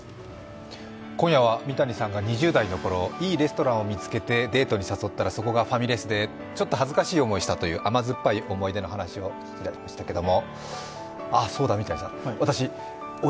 今夜は三谷さんが２０代のころいいレストランを見つけてデートに誘ったらそこがファミレスでちょっと恥ずかしい思いをしたという甘酸っぱい思い出の話をしていただいたんすけど。